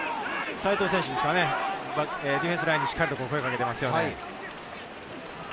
齋藤選手ですかね、ディフェンスラインにしっかり声をかけています。